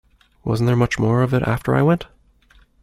Was there much more of it after I went?